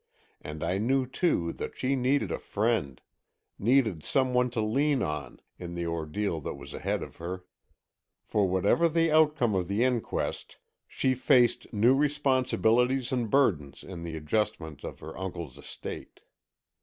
And I knew, too, that she needed a friend, needed some one to lean on, in the ordeal that was ahead of her. For whatever the outcome of the inquest, she faced new responsibilities and burdens in the adjustment of her uncle's estate.